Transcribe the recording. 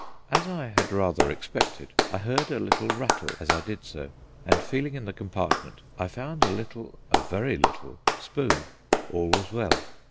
As I had rather expected, I heard a little rattle as I did so, and feeling in the compartment, I found a little, a very little, spoon. All was well.